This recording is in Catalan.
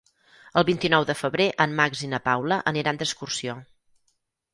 El vint-i-nou de febrer en Max i na Paula aniran d'excursió.